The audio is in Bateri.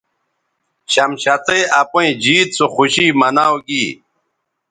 شمشتئ اپئیں جیت سو خوشی مناؤ گی